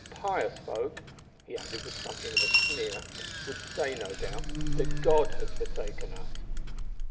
Pious folk," he added, with something of a sneer, "would say, no doubt, that God had forsaken us."